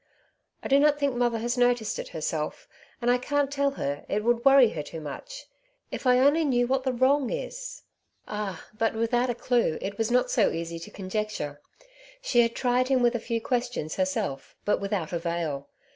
I do not think mother has noticed it herself, and I can't tell her, it would worry her too much. If I only knew what the wrong is !*' K 2 132 ^^ Two Sides to every Question^' m All ! but without a clue it was not so easy to con jecture. She had tried him with a few questions herself, but without avail.